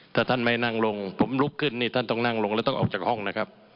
ถ้าท่านไม่นั่งลงผมลุกขึ้นนี่ท่านต้องนั่งลงแล้วต้องออกจากห้องนะครับ